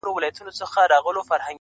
زما په یاد دي څرخېدلي بې حسابه قلمونه -